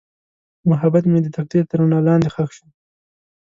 محبت مې د تقدیر تر رڼا لاندې ښخ شو.